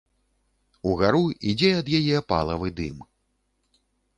Угару ідзе ад яе палавы дым.